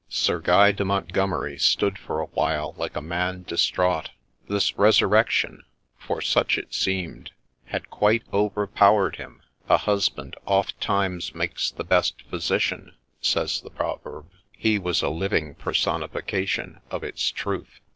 Sir Guy de Montgomeri stood for a while like a man distraught ; this resurrection — for such it seemed — had quite overpowered him. ' A husband ofttimes makes the best physician,' says the proverb ; he was a living personification of its truth.